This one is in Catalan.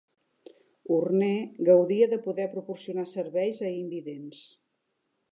Horner gaudia de poder proporcionar serveis a invidents.